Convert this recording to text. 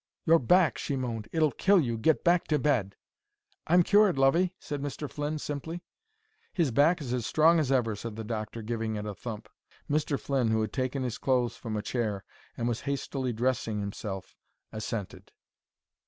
"Your back!" she moaned. "It'll kill you Get back to bed." "I'm cured, lovey," said Mr. Flynn, simply. "His back is as strong as ever," said the doctor, giving it a thump. Mr. Flynn, who had taken his clothes from a chair and was hastily dressing himself, assented.